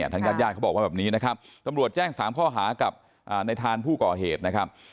ทางญาติญาติเขาบอกว่าแบบนี้นะครับตำรวจแจ้ง๓ข้อหากับในทานผู้ก่อเหตุนะครับ